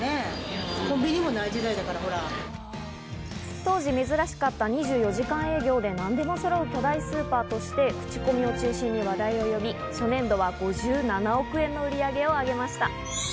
当時珍しかった２４時間営業で、何でもそろう巨大スーパーとして口コミを中心に話題を呼び、初年度は５７億円の売り上げを上げました。